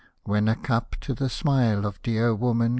When a cup to the smile of dear woman